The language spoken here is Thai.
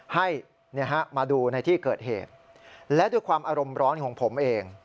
ให้มาดูในที่เกิดเหตุและด้วยความอารมณ์ร้อนของผมเอง